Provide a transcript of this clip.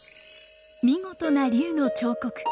見事な龍の彫刻。